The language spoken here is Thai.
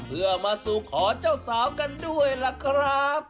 เพื่อมาสู่ขอเจ้าสาวกันด้วยล่ะครับ